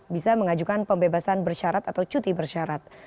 bisa mengajukan pembebasan bersyarat atau cuti bersyarat